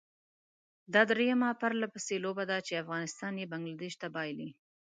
دا درېيمه پرلپسې لوبه ده چې افغانستان یې بنګله دېش ته بايلي.